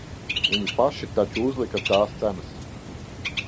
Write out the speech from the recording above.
Viņi paši taču uzlika tās cenas.